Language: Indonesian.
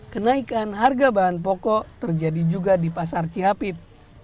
kenaikan harga bahan pokok terjadi juga di pasar cihapit